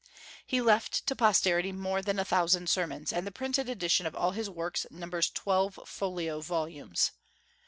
He left to posterity more than a thousand sermons, and the printed edition of all his works numbers twelve folio volumes.